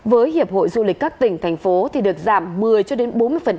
với hiệp hội du lịch các tỉnh thành phố thì được giảm một mươi cho đến bốn mươi